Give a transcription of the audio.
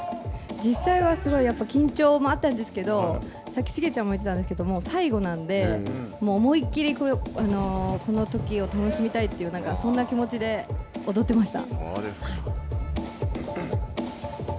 実際はすごいやっぱり緊張もあったんですけど、さっきシゲちゃんも言ってたんですけれども、最後なんで、思いっきりこのときを楽しみたいと、そんな気持ちで踊ってました。